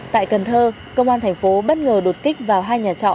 tại cần thơ công an thành phố bất ngờ đột kích vào hai nhà trọ